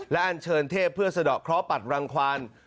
และอันเชิญเทพเพื่อสะดอกเคราะหัดรังควาน